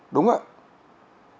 đúng không ạ